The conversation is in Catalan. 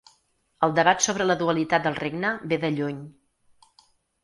El debat sobre la dualitat del regne ve de lluny.